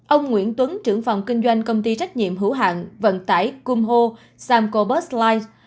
ông nguyễn tuấn trưởng phòng kinh doanh công ty trách nhiệm hữu hạng vận tải cung ho samcobus light